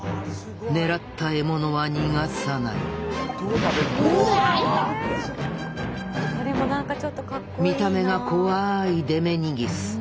狙った獲物は逃さない見た目が怖いデメニギス。